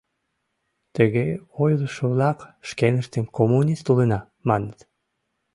Тыге ойлышо-влак шкеныштым «коммунист улына» маныт.